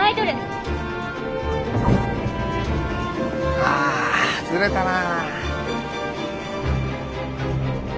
ああずれたなぁ。